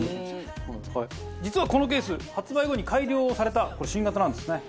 実はこのケース発売後に改良された新型なんですね。